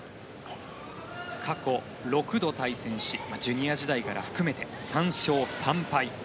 過去６度対戦しジュニア時代から含めて３勝３敗。